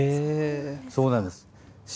そうなんです。